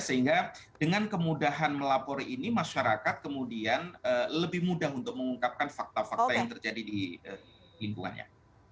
sehingga dengan kemudahan melapor ini masyarakat kemudian lebih mudah untuk mengungkapkan fakta fakta yang terjadi di lingkungannya